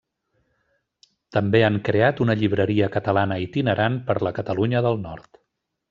També han creat una llibreria catalana itinerant per la Catalunya del Nord.